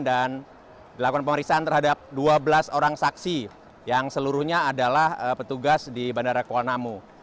dilakukan pemeriksaan terhadap dua belas orang saksi yang seluruhnya adalah petugas di bandara kuala namu